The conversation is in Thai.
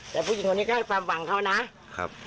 แต่ผู้หญิงคนนี้ก็ให้ความหวังเขานะครับ